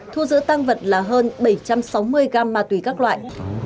thu giữ tăng vật là hơn bảy trăm sáu mươi gram ma túy các loại